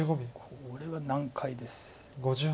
これは難解です。